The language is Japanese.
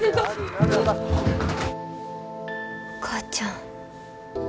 お母ちゃん。